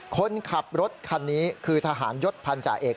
คนขับรถคันนี้คือทหารยศพันธาเอก